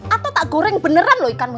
atau tak goreng beneran loh ikan